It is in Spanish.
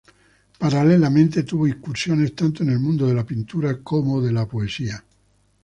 Paralelamente tuvo incursiones tanto en el mundo de la pintura como de la poesía.